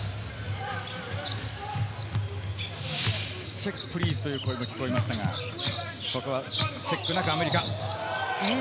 チェックプリーズという声も聞こえましたが、チェックなくアメリカ。